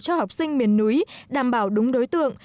cho học sinh miền núi đảm bảo đúng đối tượng